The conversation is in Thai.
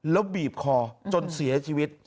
แล้วบีบคอจนเสียชีวิต